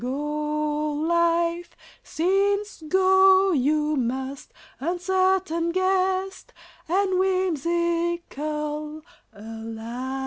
Go, life, since go you must, Uncertain guest and whimsical ally!